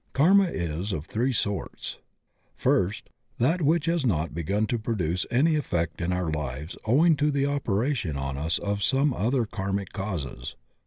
Karma is of three sorts: First — ^that which has not begun to produce any effect in our lives owing to the operation on us of some other karmic causes.